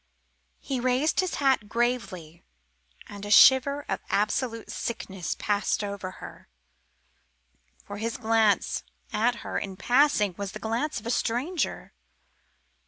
He raised his hat gravely, and a shiver of absolute sickness passed over her, for his glance at her in passing was the glance of a stranger.